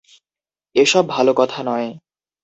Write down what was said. এ-সব ভালো কথা নয়।